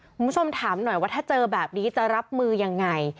คุณผู้ชมถามหน่อยว่าถ้าเจอแบบนี้จะรับมือยังไง